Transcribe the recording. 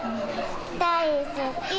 大好き。